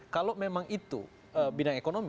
kalau memang itu bidang ekonomi